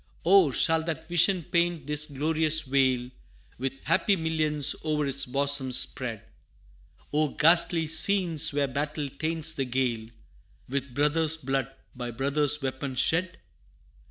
Oh! shall that vision paint this glorious vale With happy millions o'er its bosom spread Or ghastly scenes where battle taints the gale With brother's blood by brother's weapon shed?